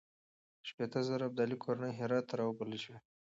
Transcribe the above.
شپېته زره ابدالي کورنۍ هرات ته راوبلل شوې.